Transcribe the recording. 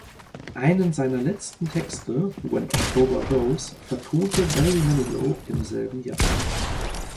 Einen seiner letzten Texte, "When October Goes", vertonte Barry Manilow im selben Jahr.